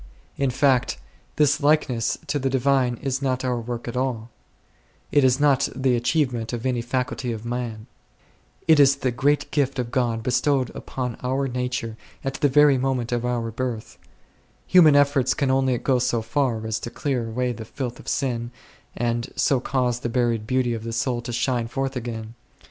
In fact this likeness to the divine is not our work at all ; it is not the achievement of any faculty of man ; it is the great gift of God bestowed upon our nature at the very moment of our birth ; human efforts can only go so far as to clear away the filth of sin, and so cause the buried beauty of the soul to shine forth again.